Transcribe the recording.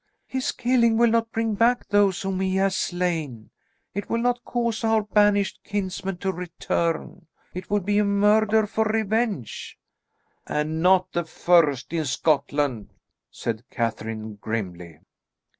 "His killing will not bring back those whom he has slain; it will not cause our banished kinsmen to return. It will be a murder for revenge." "And not the first in Scotland," said Catherine grimly.